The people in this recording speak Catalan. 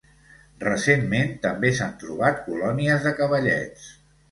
Recentment també s'han trobat colònies de cavallets.